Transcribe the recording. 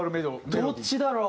どっちだろう？